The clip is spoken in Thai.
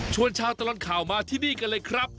ชาวตลอดข่าวมาที่นี่กันเลยครับ